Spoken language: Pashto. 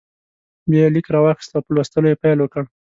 بیا یې لیک راواخیست او په لوستلو یې پیل وکړ.